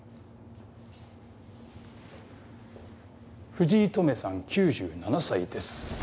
藤井とめさん９７歳です。